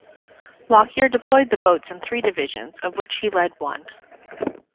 Lockyer deployed the boats in three divisions, of which he led one.